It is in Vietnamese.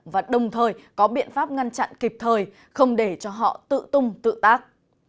và đồng thời có biện pháp ngăn chặn kịp thời không để cho họ tự tung tự tác